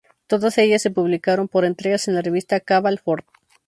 Todas ellas se publicaron por entregas en la revista "Cavall Fort".